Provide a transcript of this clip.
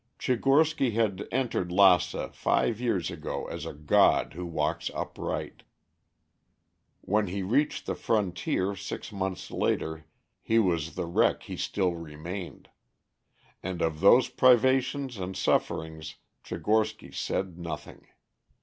Tchigorsky had entered Lassa five years ago as a god who walks upright. When he reached the frontier six months later he was the wreck he still remained. And of those privations and sufferings Tchigorsky said nothing.